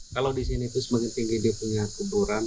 kalau di sini itu semakin tinggi dia punya kuburan